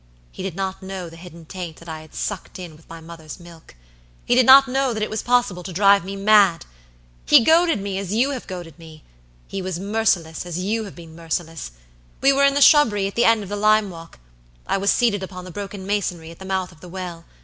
He did not know the hidden taint that I had sucked in with my mother's milk. He did not know that it was possible to drive me mad. He goaded me as you have goaded me; he was as merciless as you have been merciless. We were in the shrubbery at the end of the lime walk. I was seated upon the broken masonry at the mouth of the well.